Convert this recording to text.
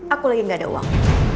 aku lagi gak ada uang